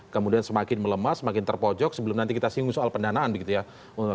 kemudian semakin melemah semakin terpojok sebelum nanti kita singgung soal pendanaan begitu ya